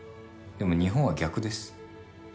でも日本は逆です。